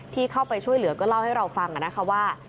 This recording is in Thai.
ที่เข้าไปช่วยเหลือก็เล่าให้เราฟังนะคะว่า